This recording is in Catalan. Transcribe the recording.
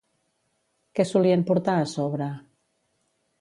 Què solien portar a sobre?